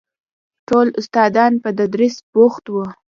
ټول استادان په تدريس بوخت دي.